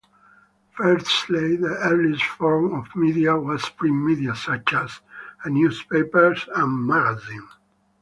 Firstly, the earliest form of media was print media, such as newspapers and magazines.